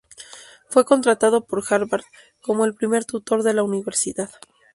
Fue contratado por Harvard como el primer tutor de la universidad.